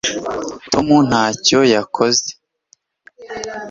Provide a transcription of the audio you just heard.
tom ntacyo yakoze